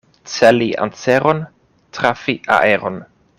Celi anseron, trafi aeron.